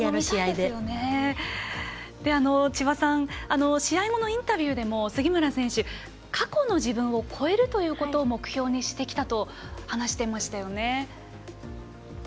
千葉さん試合後のインタビューでも杉村選手、過去の自分を超えるということを目標にしてきたと話していましたよね。